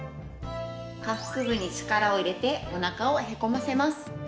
下腹部に力を入れておなかをへこませます。